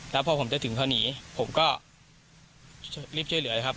แล้วพอผมจะถึงเขาหนีผมก็รีบช่วยเหลือเลยครับ